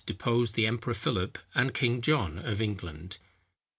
deposed the Emperor Philip, and King John of England.